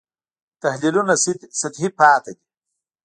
تحلیلونه سطحي پاتې دي.